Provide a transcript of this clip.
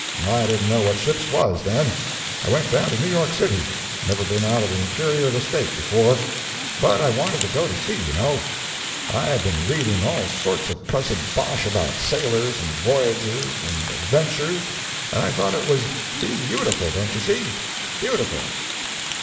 I didn't know what ships was then. I went down to New York City; never been out of the interior of the State before. But I wanted to go to sea, you know. I been a reading all sorts of cussed bosh about sailors, and voyages, and adventures, and I thought it was be autiful, don't you see? beautiful!